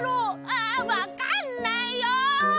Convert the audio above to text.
ああわかんないよ！